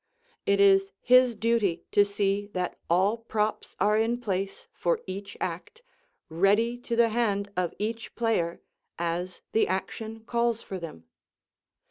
It is his duty to see that all props are in place for each act, ready to the hand of each player as the action calls for them.